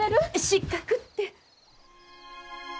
失格って。